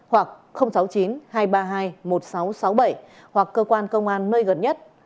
hoặc sáu mươi chín hai trăm ba mươi hai một nghìn sáu trăm sáu mươi bảy hoặc cơ quan công an nơi gần nhất